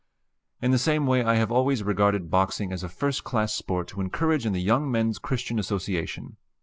In the same way I have always regarded boxing as a first class sport to encourage in the Young Men's Christian Association.